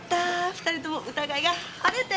２人とも疑いが晴れて。